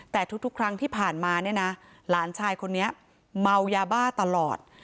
แต่ทุกครั้งที่ผ่านมาเนี่ยนะหลานชายคนนี้เมายาบ้าตลอด